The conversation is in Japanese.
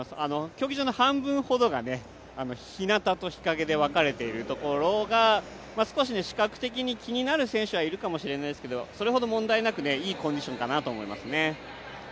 競技場の半分ほどが、ひなたと日陰で分かれているところが少し比較的気になる選手はいるかもしれませんがそれほど問題なくいいコンディションかなと思いますね。